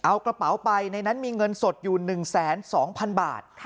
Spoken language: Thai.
เอากระเป๋าไปในนั้นมีเงินสดอยู่๑๒๐๐๐บาท